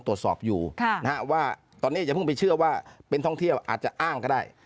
ตรวจสอบอยู่ว่าตอนนี้อย่าเพิ่งไปเชื่อว่าเป็นท่องเที่ยวอาจจะอ้างก็ได้